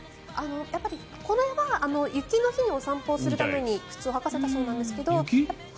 やっぱり、これは雪の日にお散歩するために靴を履かせたそうなんですけど。